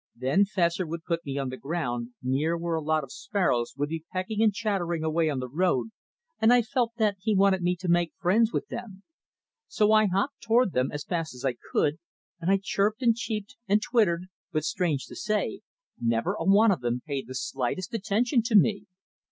Then Fessor would put me down on the ground near where a lot of sparrows would be pecking and chattering away on the road, and I felt that he wanted me to make friends with them. So I hopped toward them as fast as I could, and I chirped, and cheeped, and twittered, but, strange to say, never a one of them paid the slightest attention to me.